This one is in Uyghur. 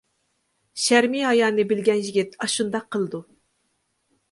شەرمى ھايانى بىلگەن يىگىت ئاشۇنداق قىلىدۇ.